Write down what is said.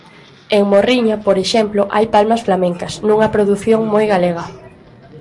En Morriña, por exemplo, hai palmas flamencas, nunha produción moi galega.